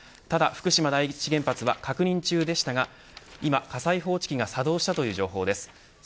ただ福島第一原発は確認中でしたが今、火災報知器が作動したという情報です。